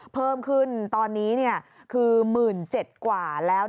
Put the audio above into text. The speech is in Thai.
เพิ่มขึ้นตอนนี้คือ๑๗๐๐กว่าแล้ว